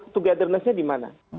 togethernessnya di mana